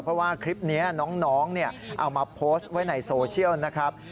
เพราะว่าคลิปนี้น้องเอามาโพสต์ไว้ในโซเชียลนะครับ